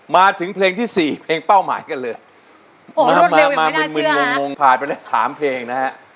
มาถึงเพลงที่๔เพลงเป้าหมายกันเลยโอ้โหรถเร็วยังไม่น่าเชื่อ